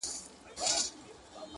مور لږ هوش ته راځي خو لا هم کمزورې ده,